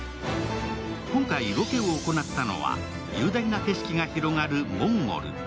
今回、ロケを行ったのは、雄大な景色が広がるモンゴル。